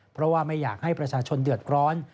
เพราะว่าไม่อยากให้ประชาชนเดือดร้อน